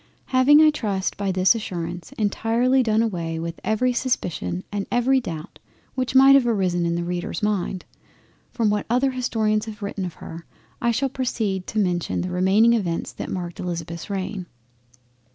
Having I trust by this assurance entirely done away every Suspicion and every doubt which might have arisen in the Reader's mind, from what other Historians have written of her, I shall proceed to mention the remaining Events that marked Elizabeth's reign.